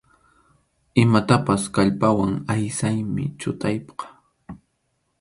Imatapas kallpawan aysaymi chutayqa.